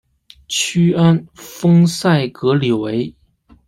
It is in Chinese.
屈安丰塞格里韦。